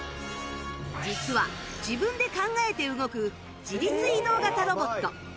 実は自分で考えて動く自律移動型ロボット